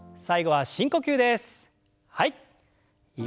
はい。